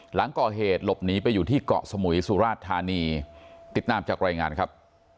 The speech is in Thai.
หลังก่อเหตุหลบหนีไปอยู่ที่เกาะสมุยสุราชธานีติดตามจากรายงานครับ